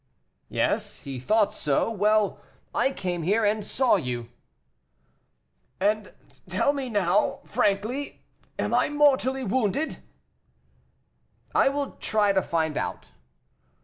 "Yes, he thought so; well, I came here and saw you." "And now, tell me frankly, am I mortally wounded?" "I will try to find out."